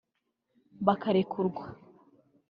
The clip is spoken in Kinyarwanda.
bakarekurwa